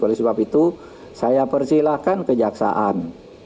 oleh sebab itu saya persilahkan kejaksaan